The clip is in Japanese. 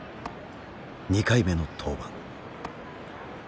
２回目の登板。